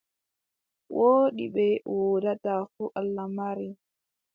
Woodi bee woodaa fuu Allah mari.